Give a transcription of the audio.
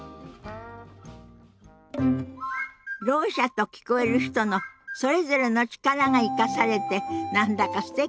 ろう者と聞こえる人のそれぞれの力が生かされて何だかすてきよね。